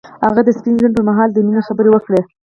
هغه د سپین ژوند پر مهال د مینې خبرې وکړې.